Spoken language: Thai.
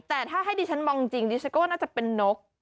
แต่ถ้าให้ดิฉันมองจริงดิฉันก็ว่าน่าจะเป็นนก